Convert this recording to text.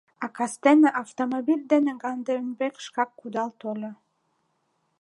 А кастене автомобиль дене Гаденбек шкак кудал тольо.